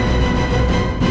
nih ga ada apa apa